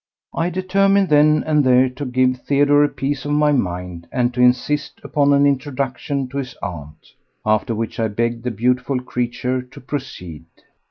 I determined then and there to give Theodore a piece of my mind and to insist upon an introduction to his aunt. After which I begged the beautiful creature to proceed.